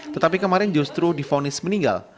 tetapi kemarin justru difonis meninggal